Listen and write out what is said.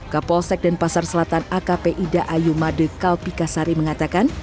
ke polsek dan pasar selatan akp ida ayuma de kalpikasari mengatakan